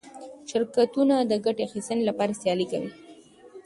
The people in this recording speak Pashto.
شرکتونه د ګټې اخیستنې لپاره سیالي کوي.